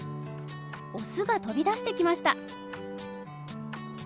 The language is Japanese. オスが飛び出してきました。